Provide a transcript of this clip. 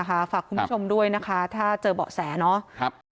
ฝากคุณผู้ชมด้วยนะคะถ้าเจอเบาะแสเนาะ